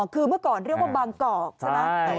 คือเมื่อก่อนเรียกว่าบางกอกใช่ไหม